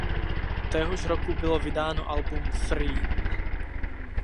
Téhož roku bylo vydáno album "Free".